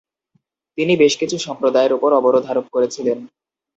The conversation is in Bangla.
তিনি বেশ কিছু সম্প্রদায়ের ওপর অবরোধ আরোপ করেছিলেন।